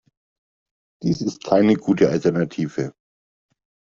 Dies ist keine gute Alternative.